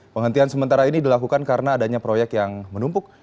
penghentian sementara ini dilakukan karena adanya proyek yang menumpuk